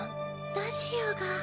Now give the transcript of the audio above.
ラジオが。